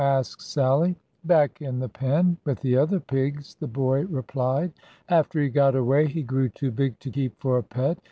asked Sallie. "Back in the pen with the other pigs," the boy replied. "After he got away, he grew too big to keep for a pet.